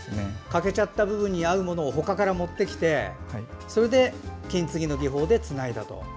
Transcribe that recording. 欠けちゃった部分に合うものをほかから持ってきて金継ぎの技法でつないだと。